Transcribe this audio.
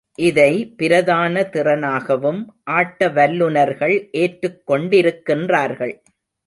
இதை பிரதான திறனாகவும், ஆட்ட வல்லுநர்கள் ஏற்றுக் கொண்டிருக்கின்றார்கள்.